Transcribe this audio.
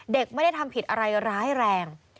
เด็กไม่ได้ทำผิดอะไรร้ายแรง